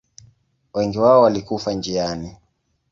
Wengi wao walikufa njiani.